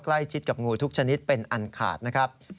ใกล้ชิดกับงูทุกชนิดเป็นอันขาดนะครับ